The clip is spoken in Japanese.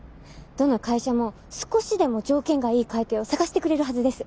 どの会社も少しでも条件がいい買い手を探してくれるはずです。